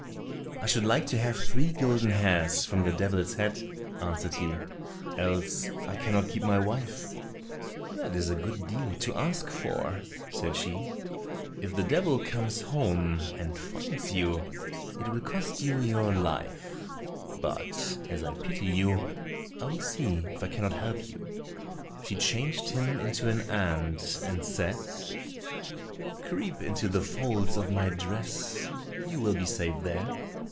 "I should like to have three golden hairs from the devil's head," answered he, "else I cannot keep my wife." "That is a good deal to ask for," said she; "if the devil comes home and finds you, it will cost you your life; but as I pity you, I will see if I cannot help you." She changed him into an ant and said, "Creep into the folds of my dress, you will be safe there."